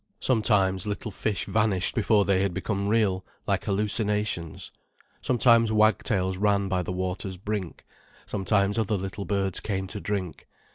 Sometimes, little fish vanished before they had become real, like hallucinations, sometimes wagtails ran by the water's brink, sometimes other little birds came to drink.